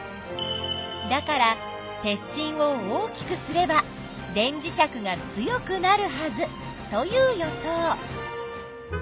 だから鉄しんを大きくすれば電磁石が強くなるはずという予想。